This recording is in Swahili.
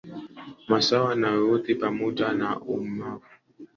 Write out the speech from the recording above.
masuala yoyote pamoja na ubunifu wa ajabu na moyo mpan Aliunda